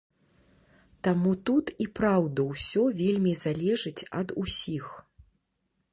Таму тут і праўда ўсё вельмі залежыць ад усіх.